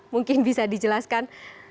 mungkin bisa dijelaskan